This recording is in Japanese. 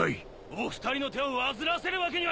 お二人の手を煩わせるわけにはいかねえ！